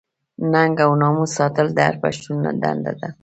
ننګ او ناموس ساتل د هر پښتون دنده ده.